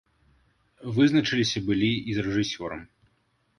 Вызначыліся былі і з рэжысёрам.